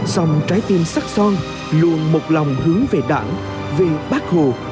dòng trái tim sắc son luôn một lòng hướng về đảng về bác hồ